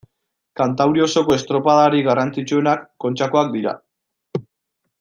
Kantauri osoko estropadarik garrantzitsuenak Kontxakoak dira.